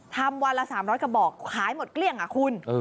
วันละ๓๐๐กระบอกขายหมดเกลี้ยงอ่ะคุณ